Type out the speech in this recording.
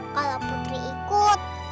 kalau putri ikut